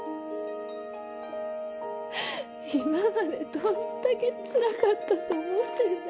今までどんだけつらかったと思ってんだよ。